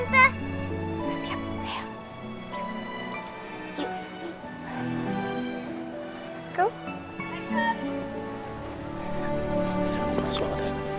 terima kasih pak